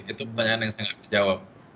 itu pertanyaan yang saya nggak bisa jawab